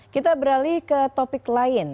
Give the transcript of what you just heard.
kita beralih ke topik lain